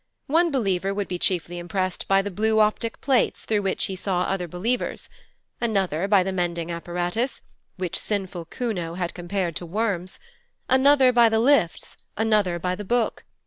One believer would be chiefly impressed by the blue optic plates, through which he saw other believers; another by the mending apparatus, which sinful Kuno had compared to worms; another by the lifts, another by the Book.